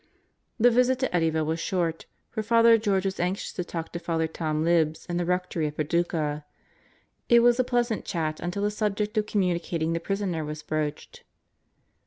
The visit to Eddyville was short, for Father George was anxious to talk to Father Tom Libs in the rectory at Paducah. It was a pleasant chat until the subject of communicating the prisoner was broached.